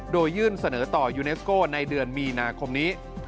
โดยยื่นเสนอต่อยูเนสโก้ในเดือนมีนาคมนี้